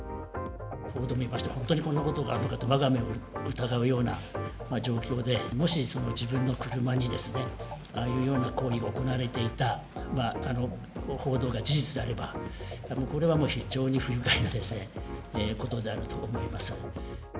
報道を見まして、本当にこんなことがあるのかと、わが目を疑うような状況で、もしその自分の車にああいうような行為を行われていた、あの報道が事実であれば、これはもう非常に不愉快なことであると思います。